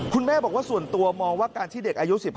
คุณแม่บอกว่าส่วนตัวมองว่าการที่เด็กอายุ๑๕